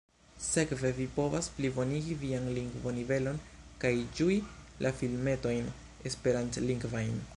Sekve vi povas plibonigi vian lingvonivelon kaj ĝui la filmetojn esperantlingvajn.